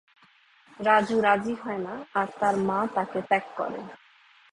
রাজু রাজী হয়না আর তার মা তাকে ত্যাগ করে।